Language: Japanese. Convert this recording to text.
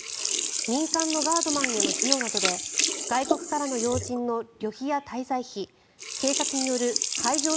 民間のガードマンへの費用などで外国からの要人の旅費や滞在費警察による会場